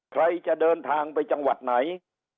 ใครจะเดินทางไปจังหวัดไหน